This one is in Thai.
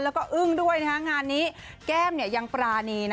แล้วก็อึ้งด้วยนะครับงานนี้แก้มเนี่ยยังปรานีนะ